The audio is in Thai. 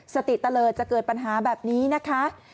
สติเตลิศจะเกิดปัญหาแบบนี้นะคะ